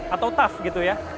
atau tough gitu ya